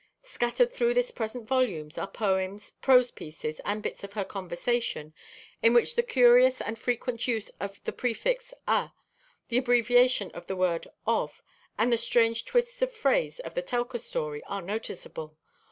Scattered through this present volume are poems, prose pieces and bits of her conversation, in which the curious and frequent use of the prefix a , the abbreviation of the word "of" and the strange twists of phrase of the Telka story are noticeable.